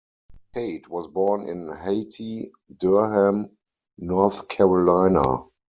Tate was born in Hayti, Durham, North Carolina.